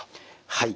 はい。